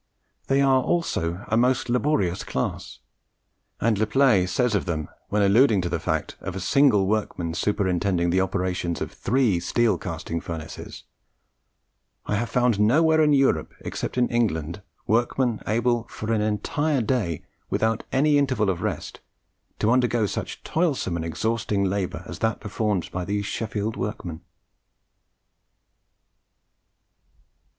They are also a most laborious class; and Le Play says of them, when alluding to the fact of a single workman superintending the operations of three steel casting furnaces "I have found nowhere in Europe, except in England, workmen able for an entire day, without any interval of rest, to undergo such toilsome and exhausting labour as that performed by these Sheffield workmen."